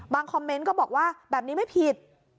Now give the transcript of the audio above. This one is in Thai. คอมเมนต์ก็บอกว่าแบบนี้ไม่ผิด